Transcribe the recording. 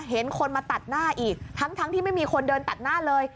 เห็นคนมาตัดหน้าอีกทั้งที่ไม่มีคนเดินตัดหน้าเลย